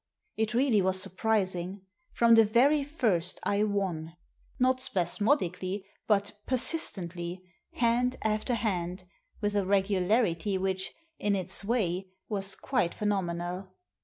It really was sur prising. From the very first I won. Not spasmodi cally, but persistently — hand after hand, with a regularity which, in its way, was quite phenomenal.